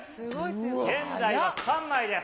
現在は３枚です。